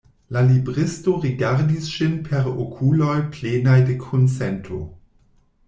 La libristo rigardis ŝin per okuloj plenaj de kunsento.